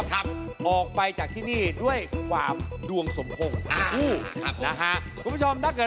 แต่ชอบความเร็วค่ะ